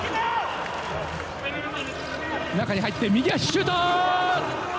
中に入って右足シュート！